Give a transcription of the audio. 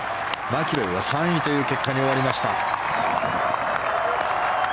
マキロイは３位という結果に終わりました。